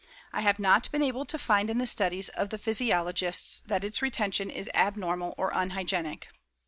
I have not been able to find in the studies of the physiologists that its retention is abnormal or unhygienic.